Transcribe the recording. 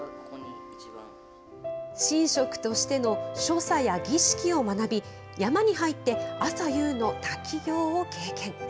神職としての所作や儀式を学び、山に入って朝夕の滝行を経験。